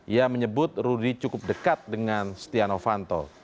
ia menyebut rudy cukup dekat dengan setia novanto